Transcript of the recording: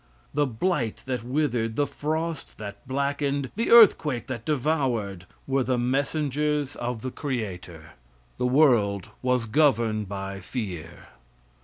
The blight that withered, the frost that blackened, the earthquake that devoured, were the messengers of the creator. The world was governed by fear.